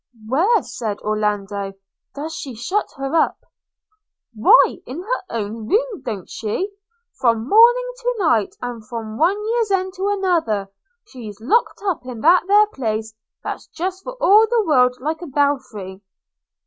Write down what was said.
'Where,' said Orlando, 'does she shut her up?' 'Why in her own room, don't she? From morning to night and from one year's end to another, she's lock'd up in that there place that's just for all the world like a belfry.'